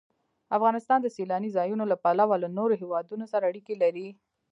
افغانستان د سیلانی ځایونه له پلوه له نورو هېوادونو سره اړیکې لري.